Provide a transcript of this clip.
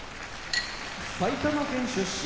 埼玉県出身